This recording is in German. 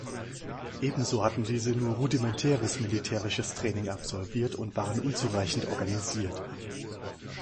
Ebenso hatten diese nur rudimentäres militärisches Training absolviert und waren unzureichend organisiert.